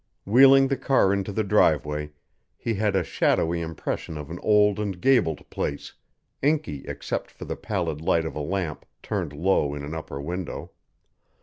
Wheeling the car into the driveway, he had a shadowy impression of an old and gabled place, inky except for the pallid light of a lamp turned low in an upper window.